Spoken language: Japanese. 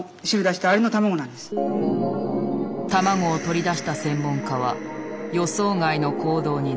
卵を取り出した専門家は予想外の行動に出る。